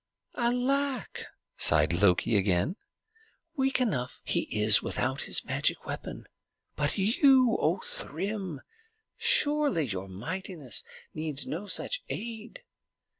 "Alack!" sighed Loki again, "weak enough he is without his magic weapon. But you, O Thrym, surely your mightiness needs no such aid.